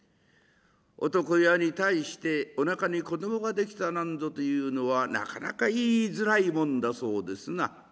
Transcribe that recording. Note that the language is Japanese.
男親に対しておなかに子供が出来たなんぞと言うのはなかなか言いづらいもんだそうですな。